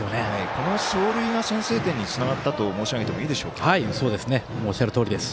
この走塁が先制点につながったと申し上げてもおっしゃるとおりです。